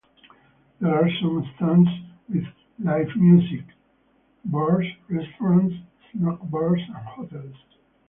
There are some stands with live music, bars, restaurants, snack bars, and hotels.